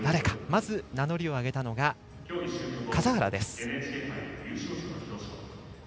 まず名乗りを挙げたのが笠原です。